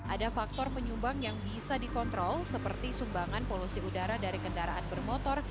ada faktor penyumbang yang bisa dikontrol seperti sumbangan polusi udara dari kendaraan bermotor